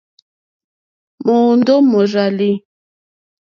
Mòòndó mòrzàlì.